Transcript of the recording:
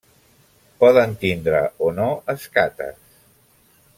Poden tindre o no escates.